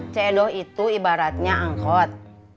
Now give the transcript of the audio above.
cik edo itu ibaratnya angkot